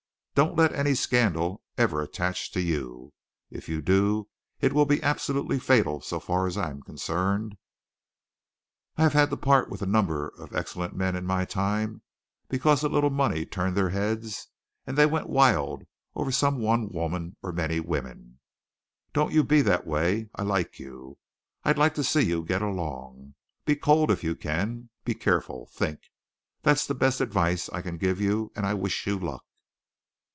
Don't let any scandal ever attach to you. If you do it will be absolutely fatal so far as I am concerned. I have had to part with a number of excellent men in my time because a little money turned their heads and they went wild over some one woman, or many women. Don't you be that way. I like you. I'd like to see you get along. Be cold if you can. Be careful. Think. That's the best advice I can give you, and I wish you luck."